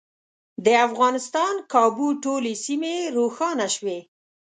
د افغانستان کابو ټولې سیمې روښانه شوې.